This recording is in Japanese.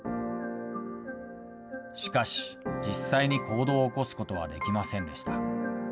しかし、実際に行動を起こすことはできませんでした。